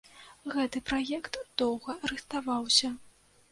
Гэты праект доўга рыхтаваўся.